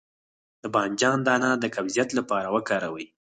د بانجان دانه د قبضیت لپاره وکاروئ